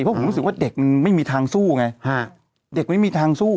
เพราะผมรู้สึกว่าเด็กมันไม่มีทางสู้ไงฮะเด็กไม่มีทางสู้